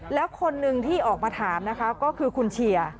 แล้วคนหนึ่งที่ออกมาถามนะคะก็คือคุณเชียร์